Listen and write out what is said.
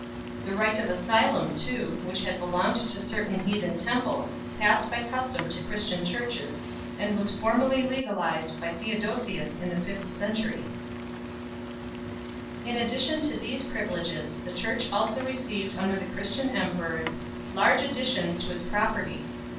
The right of asylum, too, which had belonged to certain heathen temples, passed by custom to Christian churches, and was formally legalized by Theodosius in the fifth century 8 . In addition to these privileges the Church also received under the Christian emperors large additions to its pro perty.